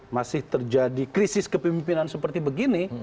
masih terjadi krisis kepemimpinan seperti begini